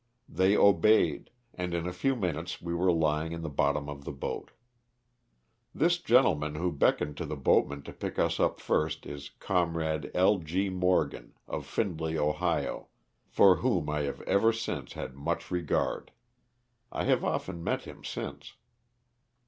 They obeyed, and in a few minutes we were lying in the bottom of the boat. This gentleman who beckoned to the boatmen to pick us up first is Comrade L. G. Morgan, of Findlay, Ohio, for whom I have ever since had much regard. I have often met him since.